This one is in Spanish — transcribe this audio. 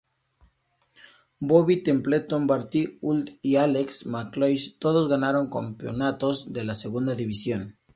Bobby Templeton, Bertie Auld y Alex McLeish todos ganaron campeonatos de la segunda división.